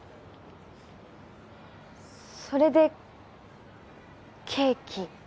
それでケーキ？